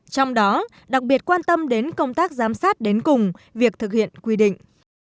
trong đó đặc biệt quan tâm đến công tác giám sát đến cùng việc thực hiện quy định